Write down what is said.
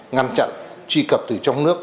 ngăn chặn truy cập từ trong nước